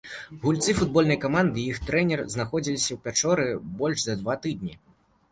Гульцы футбольнай каманды і іх трэнер знаходзіліся ў пячоры больш за два тыдні.